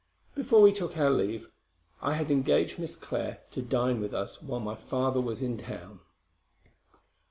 Before we took our leave, I had engaged Miss Clare to dine with us while my father was in town.